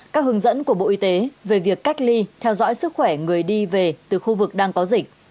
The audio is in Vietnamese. các hướng dẫn của bộ y tế về việc cách ly theo dõi sức khỏe người đi về từ khu vực đang có dịch